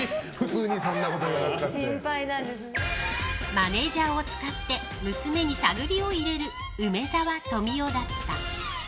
マネジャーを使って娘に探りを入れる梅沢富美男だった。